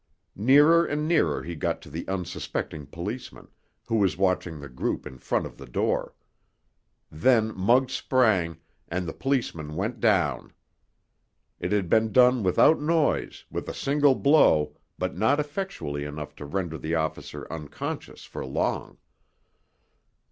Nearer and nearer he got to the unsuspecting policeman, who was watching the group in front of the door. Then Muggs sprang, and the policeman went down. It had been done without noise, with a single blow, but not effectually enough to render the officer unconscious for long.